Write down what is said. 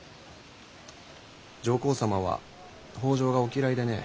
上皇様は北条がお嫌いでね。